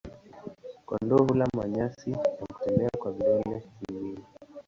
Kondoo hula manyasi na kutembea kwa vidole viwili.